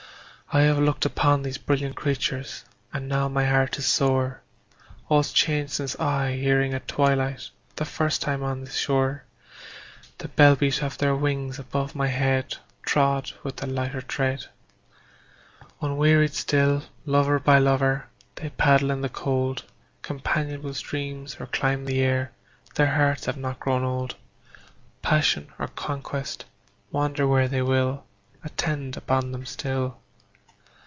I have looked upon those brilliant creatures, And now my heart is sore. All's changed since I, hearing at twilight, The first time on this shore, The bell beat of their wings above my head, Trod with a lighter tread. Unwearied still, lover by lover, They paddle in the cold Companionable streams or climb the air; Their hearts have not grown old; Passion or conquest, wander where they will, Attend upon them still.